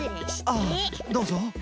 ああどうぞ。